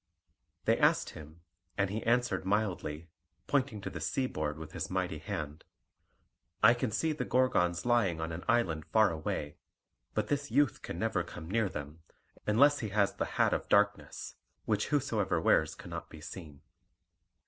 They asked him, and he answered mildly, pointing to the sea board with his mighty hand, "I can see the Gorgons lying on an island far away, but this youth can never come near them, unless he has the hat of darkness, which whosoever wears cannot be seen."